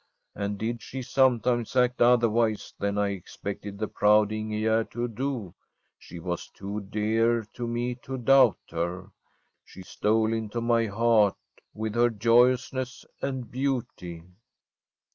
And did she sometimes act otherwise than I expected the proud Ingegerd to do, she was too dear to me to doubt her ; she stole into my heart with her joyousness and beauty.'